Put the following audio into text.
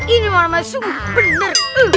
ini warna masuk bener